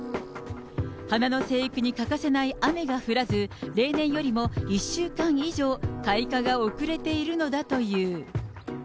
花の生育に欠かせない雨が降らず、例年よりも１週間以上、開花が遅れているのだという。